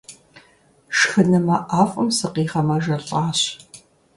Шхынымэ ӏэфӏым сыкъигъэмэжэлӏащ.